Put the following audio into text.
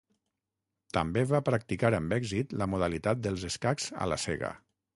També va practicar amb èxit la modalitat dels escacs a la cega.